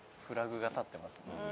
フラグが立ってますね。